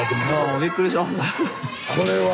びっくりしました。